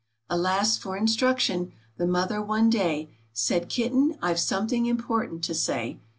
Alas for instruction ! The Mother one day Said, " Kitten ! I've something important to say.